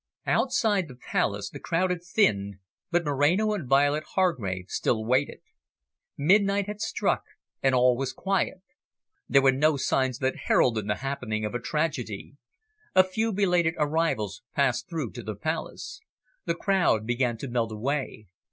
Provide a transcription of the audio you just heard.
Outside the Palace, the crowd had thinned, but Moreno and Violet Hargrave still waited. Midnight had struck and all was quiet. There were no signs that heralded the happening of a tragedy. A few belated arrivals passed through to the Palace. The crowd began to melt away.